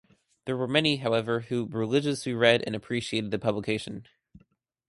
There were many however who religiously read and appreciated the publication.